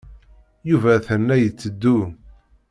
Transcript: Yuba atan la yetteddu.